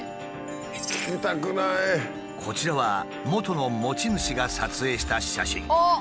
こちらは元の持ち主が撮影した写真。